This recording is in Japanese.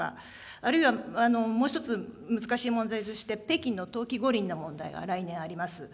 あるいは、もう一つ難しい問題として、北京の冬季五輪の問題が来年、あります。